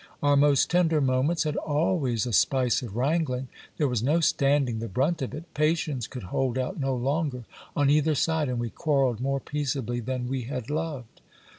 Our most tender moments had always a spice of wrangling. There was no standing the brunt of it ; patience could hold out no longer on either side, and we quarrelled more peaceably than we had loved.